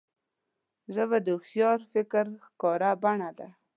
ژبه د هوښیار فکر ښکاره بڼه ده